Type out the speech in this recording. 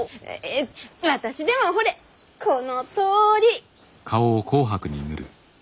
私でもほれこのとおり。